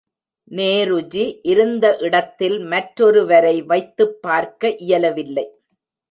நேருஜி இருந்த இடத்தில் மற்றொரு வரை வைத்துப் பார்க்க இயலவில்லை.